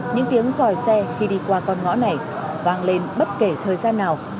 những tiếng còi xe khi đi qua con ngõ này vang lên bất kể thời gian nào